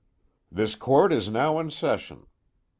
"This Court is now in session."